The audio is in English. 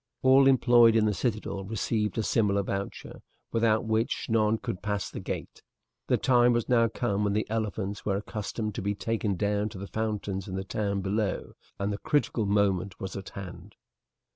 All employed in the citadel received a similar voucher, without which none could pass the gate. The time was now come when the elephants were accustomed to be taken down to the fountains in the town below, and the critical moment was at hand.